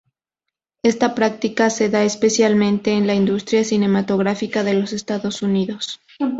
Esta práctica se da especialmente en la industria cinematográfica de los Estados Unidos.